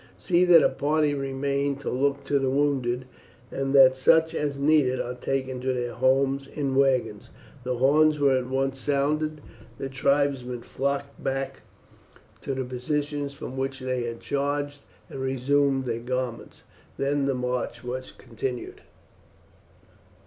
See that a party remain to look to the wounded, and that such as need it are taken to their homes in wagons." The horns were at once sounded, the tribesmen flocked back to the positions from which they had charged, and resumed their garments. Then the march was continued.